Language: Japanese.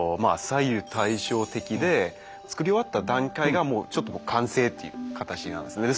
左右対称的でつくり終わった段階がもうちょっと完成という形なんですね。